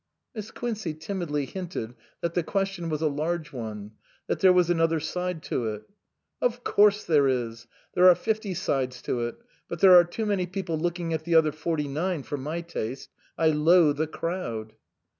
Miss Quincey timidly hinted that the question was a large one, that there was another side to it. " Of course there is ; there are fifty sides to it; but there are too many people looking at the other forty nine for my taste. I loathe a crowd."